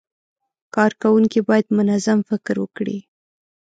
کارکوونکي باید منظم فکر وکړي.